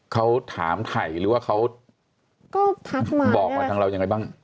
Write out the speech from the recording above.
เขาถามไถ่หรือว่าเขาบอกมาทั้งเรายังไงบ้าง